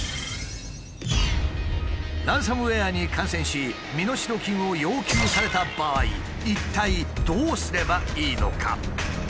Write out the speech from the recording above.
ランサムウエアに感染し身代金を要求された場合一体どうすればいいのか？